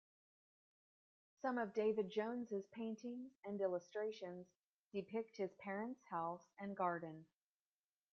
Some of David Jones's paintings and illustrations depict his parents house and garden.